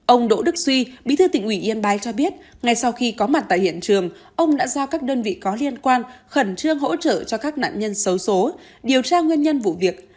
ông đỗ đức suy bí thư tỉnh ủy yên bái cho biết ngay sau khi có mặt tại hiện trường ông đã giao các đơn vị có liên quan khẩn trương hỗ trợ cho các nạn nhân xấu xố điều tra nguyên nhân vụ việc